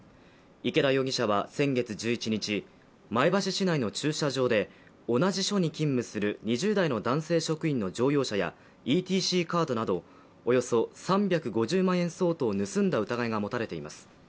池田容疑者は先月１１日、前橋市内の駐車場で同じ署に勤務する２０代の男性職員の乗用車やＥＴＣカードなどおよそ３５０万円相当を盗んだ疑いが持たれています。